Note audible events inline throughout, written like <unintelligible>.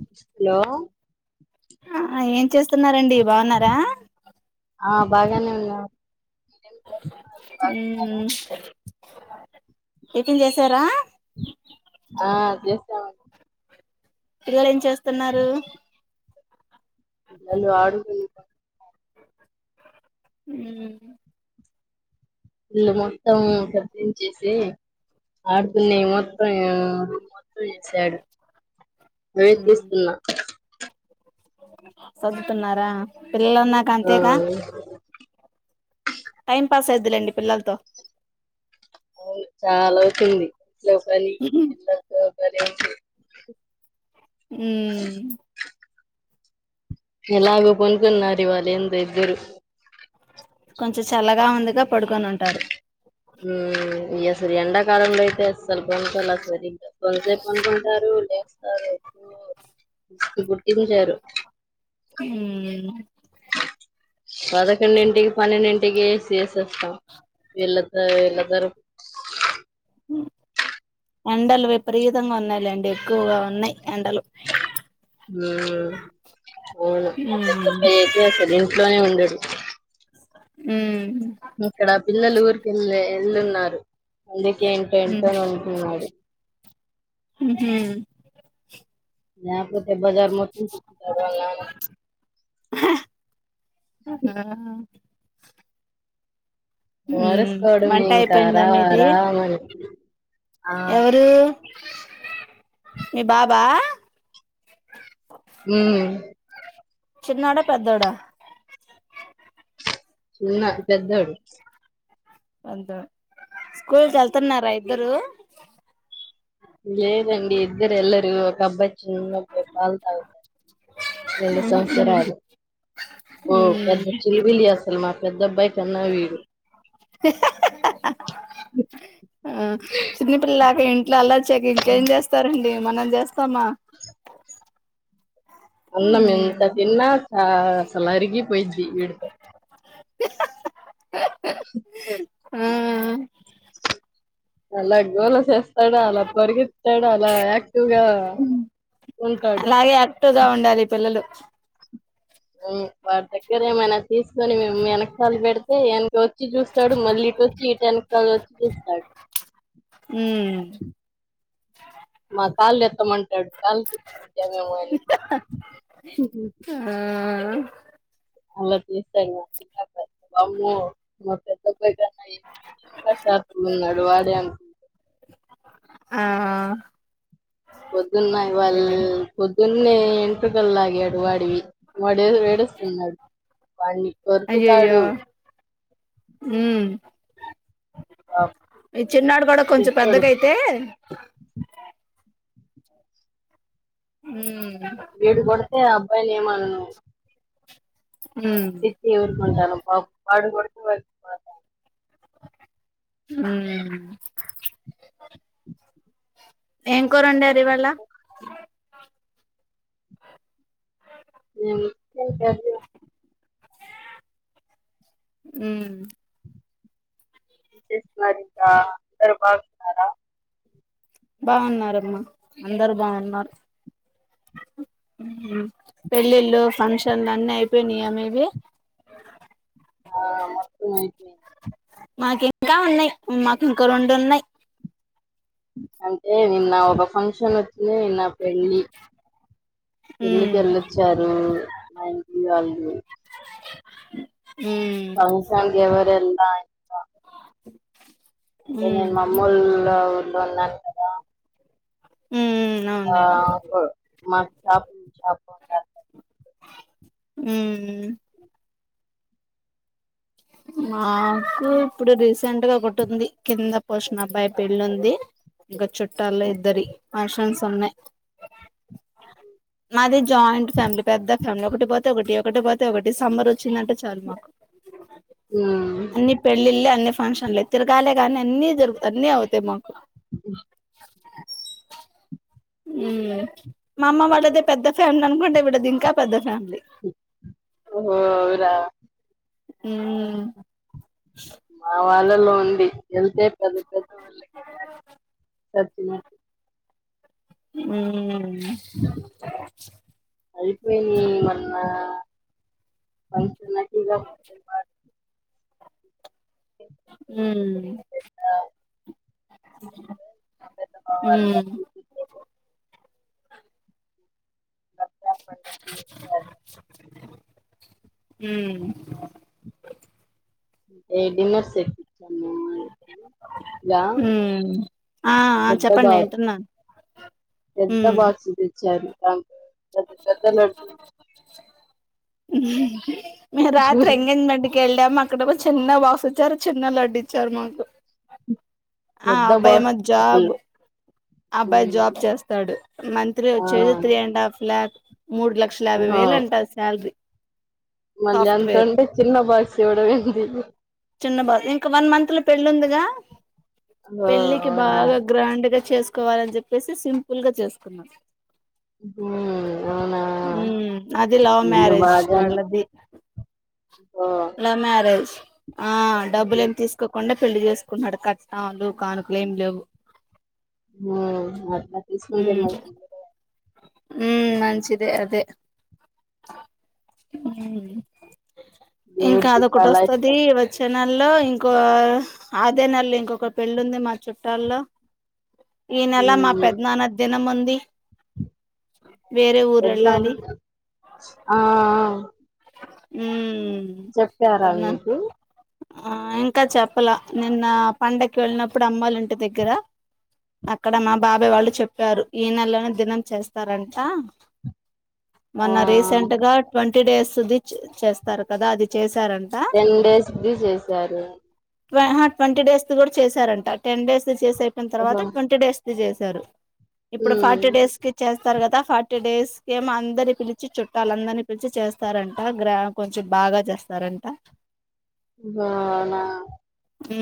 Hello చేస్తునారుఅండి బాగునారా ఆ బాగానే ఉన్నాం ఊ ఉమ్ టిఫిన్ చేశారా ఆ చేసాము పిల్లలు ఎంచెస్ తున్నారు పిల్లలు ఆడుకుంటున్నార్ <inaudible> ఉమ్ ఇల్ళు మొత్తం కట్టించేసి ఆడుకునే మొత్తం ఊ మొత్తం వేశాడు వే తీసుకున ఘటకె సదుతునార పిల్లలున్నాక ఆ అంతేగ టైం పాస్ అయిదిలెండి పిల్లలతో అవును చాలా అవుతుంది ఇంట్లో పని పిలలితోపని థయూ ఉమ్ ఎలాగో పోనుకున్నారు ఇవాళు ఎందొ ఇద్దరు కొంచెం చల్లగా ఉందిగా ప్ ఉమ్ ఎస్ ఎండ కాలంలో అయితే అసలు పొనుకోలా సరిగా కొన్సపుపోనుకుంటారు లెస్త సరే పో గుర్తించారు ఊ పదకొండింటికి పన్నెండింటికి ఏసీ యశస్తము విలతో విలాథ్రోర్ ఎండలు విపరీతంగా ఉన్నాయిలేండి ఎక్కువగా ఉన్నాయి ఎండలు ఊ అవును మా పెద్ద మ్మ్ అబ్బాయి అయితే అసలు ఇంట్లోనే ఉండడు ఉ ఇక్కడ పిల్లలు ఊర్ ఇలే ఎల్ళున్నారు అందుక్ ఇంట్ల మ్మ్ ఇంట్లోనేవుంటున్నాడు మ్హూ <unintelligible> బజార్ మొత్తం తీపాడు వాల్ల నాన్నా ఆ ఊ అరుసుకోవడమే వంట ఇంకా అయిపోయిందా రా మీది రా అని ఆ ఎవరూ మీ బాబు ఆ ఉమ్ చిన్నోడ పెద్దోడా చిన్నా పెద్దోడు అంత స్కూల్కెళ్తున్నార ఇద్దరు లేదండి ఇద్దరు ఎల్లరు ఒక అబ్బాయి చిన్నబ్బయి పాలు తాగుతారు రెండు సంవత్సరాలు పెద్ద ఉమ్ ఊ చిలిపిిలి చేస్త మా పెద్ద అబ్బాయి కన్నా వీడు యహాహహాహ ఆ చిన్న పిల్లలాక ఇంట్లో అల్లరి చేయక ఇంకేం చేస్తారండి మనం చేస్తామా అన్నం ఎంత ఉమ్ తిన్నా చ అసలు అరిగి పోయిద్ది వీడితో ఆ అలా గోలచేసే అలా పరిగెత్తాడు అలా యాక్టివ్ గా ఉంటాడు. అలాగే యాక్టివ్ గా ఉండాలి <inaudible> <inaudible> వాటి దగ్గర ఏమైనా తీసుకొని మేము వెనకాల పెడిత్ <inaudible> చ్ చూస్తాడు మళ్ళీ ఇటువచ్చి ఇటు ఎనకాల వచ్చి చూస్తాడు ఉమ్ మాక్ కాళ్ళు ఎత్తమంట్ <unintelligible> <inaudible> ఆ హాల అమ్మో మా పెద్ద అక్క అయితే అసాకు ఉన్నాడు వాడే అనుకుంటా ఆ పొద్దున్నయి వాళ్ళు అదేలే పొద్దున్నే ఎంట్రుకలు లాగాడు వాడివి వాడ ఎడస్తున్నాడు వాడిని అయ్యోయ్యో కొరుకుతాడు మ్మ్ పాపం ఈ చిన్నాడు కూడా కొంచెం పిచ్చోడు పెద్దగయితే ఉమ్ ఏడు కొడతే అబ్ అబ్బాయనేమనను ఉమ్ ఇచ్చి ఊరుకుంటానామ్ పాడు కొడుతు హ్మ్మ్ ఎం కొరండరు ఇవాళ ఏం మ్మ్ స్ మరికా అదర్బాగన్నారా బాగున్నరమ్మా అందరు బాగున్నారు పెళ్ళిళ్ళు ఫంక్షన్లు అన్నీ చెనీ అనేవి ఆ మత్తు మైంది మాకు ఇంకా ఉన్నాయి మాకు ఇంకా రొండు ఉన్నాయి అంటే నిన్న ఒక ఫంక్షన్ నా పెళ్ళి ఉమ్ పెళ్ళికి వెళ్ళొచ్చారు మా ఇంటి వాళ్ళు <inaudible> ఫంక్షన్ <unintelligible> <unintelligible> <inaudible> అంటే నేను ఉమ్ మమ్మోలా ఊర్ ఉన్నాను కదా ఉమ్ అవునులేండి షాపు మాకు షాపు షాపుంటాది మ్మ్ మాకు ఇప్పుడు రీసెంట్గా ఒకటి ఉంది కింద పోషణ అబ్బాయి పెళ్ళి ఉంది ఇంకా చుట్టాలో ఇద్దరి ఫంక్షన్స్ ఉన్నాయి మాది జాయింట్ ఫ్యామిలీ పెద్ద ఫ్యామిలీ ఒకటిపోతే ఒకటి ఒకటి పోతే ఒకటి సమ్మర్ వచ్చిందంటే చాలు మాకు అన్ని పెళ్ళిల్లె అన్న ఫంక్షనలే తిరగాలేగాని అన్నీ జరుగుత అన్నీ అవుతాయి మాకు ఉ <inaudible> ఆ హమ్ మా అమ్మ వాళ్ళదే పెద్ద ఫ్యామిలీ అనుకుంటే విడది ఇంకా పెద్ద ఫ్యామిలీ హ్మ్ రా హ్మ్ వాళ్ళల్లో ఉంది. వెళ్తే పెద్ద పెద్ద వాళ్ళ <inaudible> చచ్చినట్టు హ్మ్ అయిపోయి ఏమన్నా కొంచెం ఉన్నాయ్ <unintelligible> హ్మ్ పెద్ద మా పెద్ద బావ వాళ్ళ ఉమ్ కూతురు పెళ్లి రంజాన్ పండక్కి వచ్చారు. హ్మ్ ఏ డిన్నర్ సెట్ ఇచ్చాము మా వాళ్ళకి ఇలా ఉ ఆ చెప్పండి వింటున్నా పేద బాక్స్ తెచ్చారు అవ్ మే రాత్రి ఎంగేం బడి క్కెళ్ళాం అక్కడ కూడ చిన్న బాక్స్ ఇచ్చారు చిన్న లడ్డు ఇచ్చారు మాకు ఆ పెద్ద అబ్బాయి యేమో బాక్స్ జాబ్ అసలు ఆ అబ్బాయి జాబ్ చేస్తాడు మంత్లీ ఆ వచ్చేది త్రీ అండ్ హాఫ్ ల్యాక్ మూడు లక్షల యాభై వేలు అంటా శాలరీ మళ్లీ అంత సాఫ్ట్వేర్ ఉంటే చిన్న బాక్స్ ఇవ్వడం ఏంది చిన్న బాబు ఇంకా వన్ మంత్ లో పెళ్ళి ఉందిగా ఓ పెళ్ళకి అవునా బాగా గ్రాండ్ గా చేస్ కోవాలని చెప్పేసి సింపుల్ గా చేసుకున్నారు అవునా మ్మ్ అది లవ్ వీళ్ళు మ్యారేజ్ బాగానే వాళ్లది ఓ లవ్ మ్యారేజ్, ఆ డబ్బులు ఏం తీసుకోకుండా పెళ్లి చేసుకుంటున్నాడు కట్నాలు కానుకలు ఏం లేవు హ్మ్ అట్లా చేసుకుంటే మంచిదిలే ఉ మంచిదే అదే మ్ ఇంకా దేవుడికి అదొకటి చాలా వస్తది ఇష్టం వచ్చే నల్లో ఇంకో ఆదే నెల్లో ఇంకొక పెళ్ళి ఉంది మా చుట్టాల్లో ఈనెలా మా ఉమ్, పెద్నానద్ దినం ఉం డి ఆ అ మ్ చెప్పారా మీకు ఆ ఇంకా చెప్పల, నిన్న పండకి వెళ్ళినప్పుడు అమ్మల ఇంటి దగ్గర, అక్కడ మా బాబా వాళ్ళు చెప్పారు ఈ నెలనే దినం చేస్ స్తారంటా ఆ మొన్న రీసెంట్ గా ట్వంటీ డేస్ ధ చేస్తారు కదా అది చేసి టెన్ డేస్ కి చేసారు ఆహా ట్వంటీ డేస్ది కూడా చేసారంట టెన్ డేస్ చే అయి తరువాత ఓహో ట్వంటీ డేస్ ర్ చేశారు ఇప్పుడు ఫార్టీ డేస్ ఉమ్ కి చేస్తారు కదా ఫార్టీ డేస్ కేమో అందరి పిలిచి చుట్టాలు అందరినీ పిలిచి చేస్తారంట, గ్రా కొంచెం బాగా చేస్తారంట అవునా హ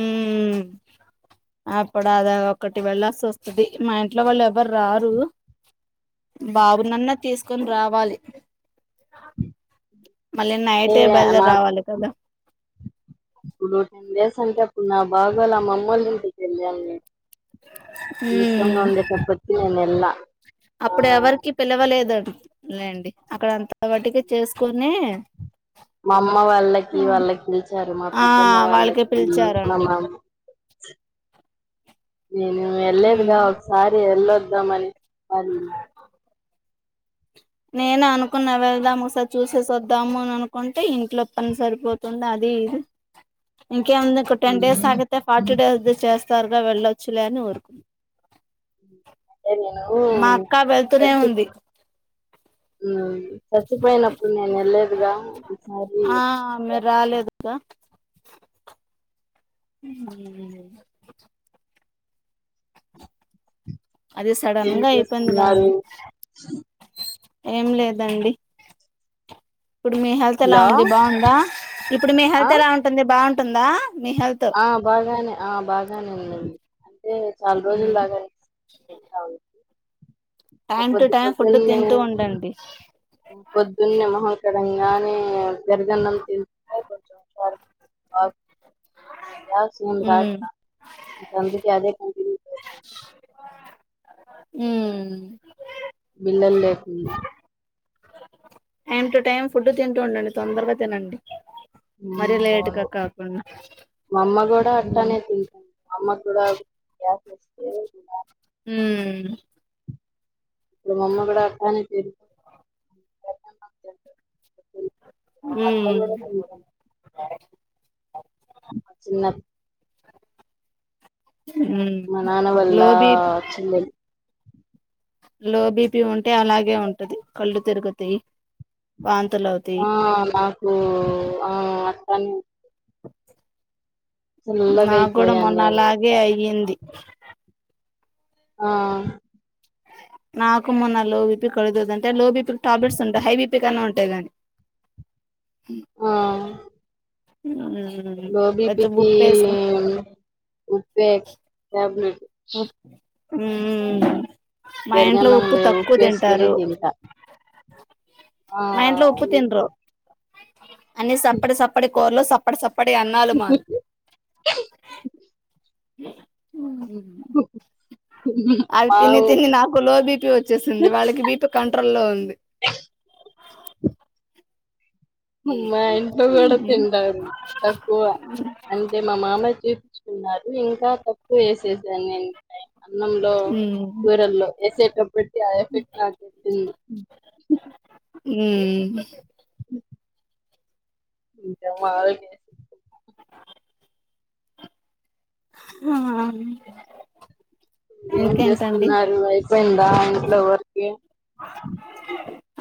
అప్పుడు అద ఒకటి వెళ్ళల్సి వస్తుది మా ఇంట్లో వాళ్ళు ఎవరు రారు బాబునన్న తీసుకొని రావాలి మళ్ళీ ఏ నైటే అస బయలుదేరి రావాలి కదా నా బాగాలా మమ్మల్ ఇంటికి వెళ్ళాను ఈసవంగ ఉమ్ ఉందే తపతి అన ఎలా అప్పుడు ఎవరికి పిలవలేదండి లేండి అక్కడ అంతా అప్పటికి చేసుకుని మా అమ్మ వాళ్ళకి వాళ్ళకి పిలిచారు మా ఆ పెద్దమ్మ వాళ్ళకే వాళ్ళకి పిలిచారంట మామ నేను ఉమ్ వెళ్ళదుగా ఒకసారి వెళ్ళొద్దామని చెప్ప నేను అనుకున్న వెళ్దాం ఒకసారి చూసేసి వద్దాము అని అనుకుంటే ఇంట్లో పని సరిపోతుంది అదిది కేందు టెన్ డేస్ హ్మ్ ఆగితే ఫార్టీ డేస్ చేస్తారు వెళ్ళ వచ్చులేను ఉకు అే నేను చచ్చి ఉంది చచ్చిపోయినప్పుడు నేను వెళ్ళదుగా ఒకసారి కా అది సడన్ ఏం గా అయిపోయింది గానీ చేస్తున్నారు ఏం లేదండి. ఇప్పుడు మీ హెల్త్ ఎలా హలో ఉంది బాగుందా. ఇప్పుడు మీ ఆ హెల్త్ ఎలా ఉంటుంది బాగు టుందా ఆ బాగానే ఆ బాగానే ఉందండి. అదే చాలా రోజుల <inaudible> టైమ్ టు పొద్దు టైం ఫుడ్ పొద్దున్నే తింటూ ఉండండి. పొద్దున్నే మొహంకడంగానే పెరుగన్నం తింటే కొంచెం <inaudible> గ్యాస్ ఏం రావట్ల ఇంక అందుకే అదే కంటిన్యూ చేస్తన్న. ఉమ్మ్ బిల్లల్ లేేకుండా టైమ్ టు టైమ్ ఫుడ్ తింటూ ఉండండి తొందరగా తినండి. మరీ మా లేటుగా కాకుండా అమ్మ గూడా అట్టానే తింటాంది మా అమ్మ కూడా గ్యాస్ వస్ే ఉన్నా <inaudible> ఉమ్ మా అమ్మ కూడా అట్టానె తి <inaudible> ఉమ్ చిన్న మా నాన్న లో వల్లా బీపీ చెల్లేలు. లో బీపీ ఉంటే అలాగే ఉంటది కళ్ళు తిరుగుతయి. ఆ నాకూ ఆ తను నాగ్గూడ అయిపోయాను మొన్న అలాగే నేనంతా అయింది. ఆ నాకు మొన్న లో బీపి కళ్ళు తిరుగుతంటే లో బీపీ ఇప్పుడు టాబ్లెట్స్ ఉంటయి హై బీపి కన్నా ఉం తే గానీ హూ ఆ హ్మ్మ్ లో బీపీ కి ఉప్ ప్పే ట్యాబ్లేట్ అహ్ పెరుగన్నంలో ఉప్పేసుకొని తింటా హ్మ్ ఆ మా అన్ని సప్పడి సప్పడి కూర్లో సప్పడి సప్ సప్పడి అన్నాలు మాక్ అవి తిని తిని మా నాకు లో బీపి వచ్చేసింది వాళ్ళకి బీపీ కంట్రోల్ లో ఉంది మా ఇంట్లో కూడా తింటారు తక్కువ అంటే మా మామయ్య కి స్తున్నారు ఇంకా తక్కు వేసే నేను అన్నంలో ఉమ్ కూరల్లో వేసేటప్పటికీ ఆ ఎఫెక్ట్ నాకు హ్మ్ హ్మ్ ఇంక మామూలుగా హా ఏం చేస్తున్నారు అయిపోయిందా ఇంట్లో వర్కి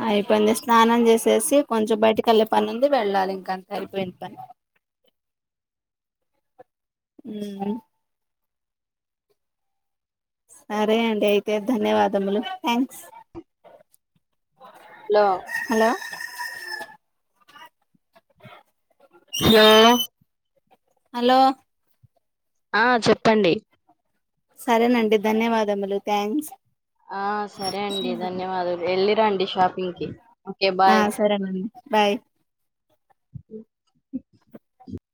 అయిపోయింది స్నానం చేసేసి కొంచెం బయటికెల్లె పని ఉంది వెళ్ళాలి ఇంక అంతే అయిపోయింది పని హ్మ్ సరే అండి అయితే ధన్యవాదములు థ్యాంక్స్ లో దా హలో హలో ఆ చెప్పండి సరే నండి ధన్యవాదములు థ్యాంక్స్ ఆ సరే అండి ధన్యవాదలు ఎల్లి రండి షాప్ పింకి ఆ సరే మరి బాయ్